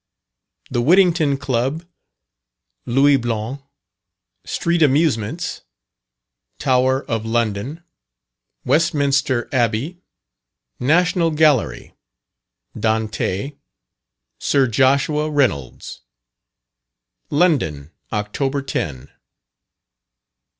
_The Whittington Club Louis Blanc Street Amusements Tower of London Westminster Abbey National Gallery Dante Sir Joshua Reynolds._ LONDON, October 10.